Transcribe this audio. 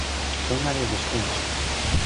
Zona de descenso.